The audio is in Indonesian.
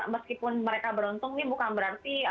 meskipun mereka beruntung ini bukan berarti